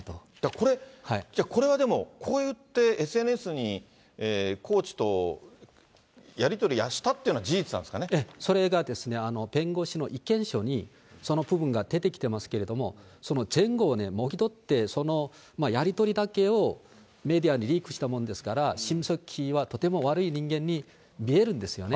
これ、じゃあ、これはでもこういってＳＮＳにコーチとやり取りはしたっていうのそれがですね、弁護士の意見書にその部分が出てきてますけれども、その前後をね、もぎ取って、そのやり取りだけをメディアにリークしたもんですから、シム・ソクヒはとても悪い人間に見えるんですよね。